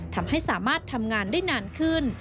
ทำให้สามารถทำงานได้นานขึ้น